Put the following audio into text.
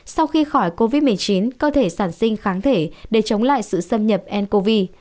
sau khi khỏi covid một mươi chín cơ thể sản sinh kháng thể để chống lại sự xâm nhập ncov